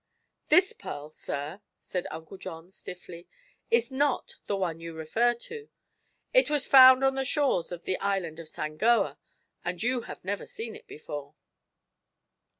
"This pearl, sir," said Uncle John stiffly, "is not the one you refer to. It was found on the shores of the island of Sangoa, and you have never seen it before."